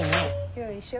よいしょ。